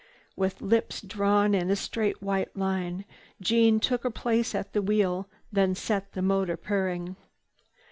With lips drawn in a straight white line, Jeanne took her place at the wheel, then set the motor purring.